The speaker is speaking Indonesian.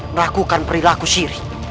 merakukan perilaku syiri